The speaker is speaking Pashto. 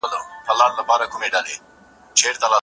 ایا احمدشاه بابا په جګړه کې ټپي شوی و؟